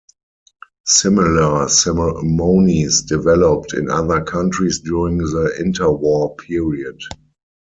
Similar ceremonies developed in other countries during the inter-war period.